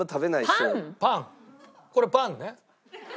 これパンね。